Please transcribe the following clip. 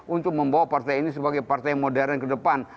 untuk membawa partai ini sebagai partai modern ke depan